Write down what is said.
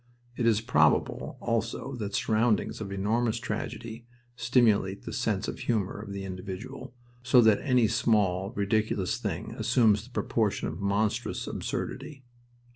It is probable also that surroundings of enormous tragedy stimulate the sense of humor of the individual, so that any small, ridiculous thing assumes the proportion of monstrous absurdity.